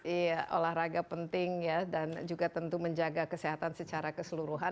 iya olahraga penting ya dan juga tentu menjaga kesehatan secara keseluruhan